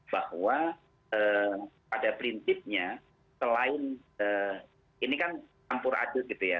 bahwa pada prinsipnya selain ini kan campur adut gitu ya